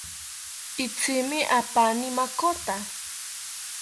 Itzimi apaani makota